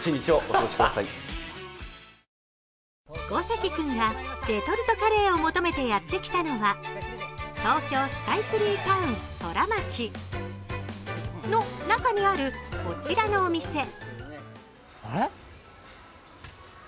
五関君がレトルトカレーを求めてやって来たのは、東京スカイツリータウン・ソラマチの中にある、こちらのお店。